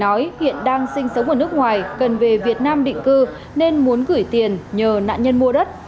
nói hiện đang sinh sống ở nước ngoài cần về việt nam định cư nên muốn gửi tiền nhờ nạn nhân mua đất